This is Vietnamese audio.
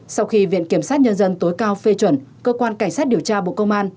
sau khi viện kiểm sát nhân dân tối cao phê chuẩn cơ quan cảnh sát điều tra bộ công an